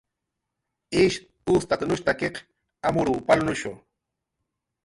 Ish ustatnushstakiq amurw palnushu